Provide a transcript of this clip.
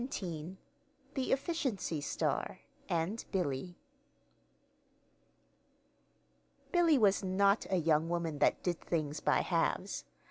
THE EFFICIENCY STAR AND BILLY Billy was not a young woman that did things by halves.